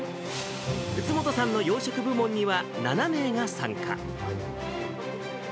宇津本さんの洋食部門には、７名が参加。